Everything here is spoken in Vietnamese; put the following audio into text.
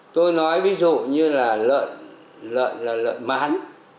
tôi nói ví dụ như là lợn là lợn mán